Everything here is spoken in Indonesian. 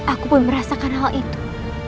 aku pun merasakan hal itu